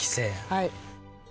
はい。